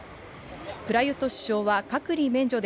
プラユット首相は隔離免除で